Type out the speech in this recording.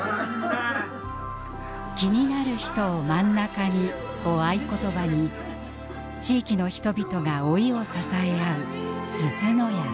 「気になる人を真ん中に」を合言葉に地域の人々が老いを支え合うすずの家。